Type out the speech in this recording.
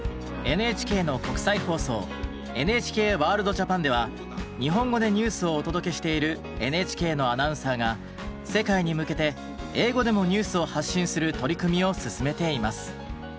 ＮＨＫの国際放送「ＮＨＫワールドＪＡＰＡＮ」では日本語でニュースをお届けしているＮＨＫのアナウンサーが世界に向けて英語でもニュースを発信する取り組みを進めています。